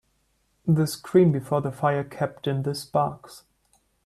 The screen before the fire kept in the sparks.